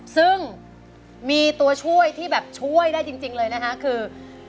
ซึ่งมีตัวช่วยที่แบบช่วยได้จริงเลยนะคะคือ